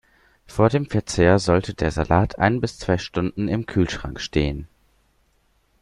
Vor dem Verzehr sollte der Salat ein bis zwei Stunden im Kühlschrank stehen.